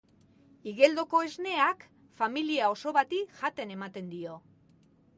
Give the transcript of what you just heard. Igeldoko Esneak familia oso bati jaten ematen dio